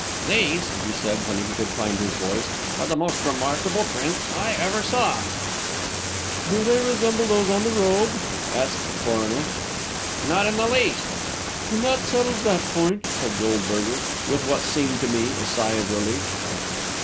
"These," he said, when he could find his voice, "are the most remarkable prints I ever saw." "Do they resemble those on the robe?" asked the coroner. "Not in the least." "Then that settles that point," said Goldberger, with what seemed to me a sigh of relief.